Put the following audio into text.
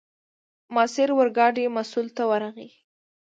ماسیر اورګاډي مسوول ته ورغی.